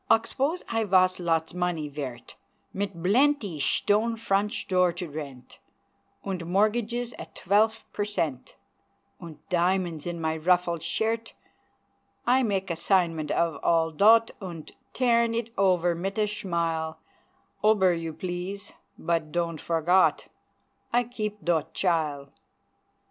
Oxpose I vas lots money vairt, Mit blenty schtone front schtore to rent Unt mor'gages at twelf per cent, Unt diamonds in my ruffled shairt, I make a'signment of all dot, Unt tairn it over mit a schmile, Obber you please but don'd forgot I keep dot chile!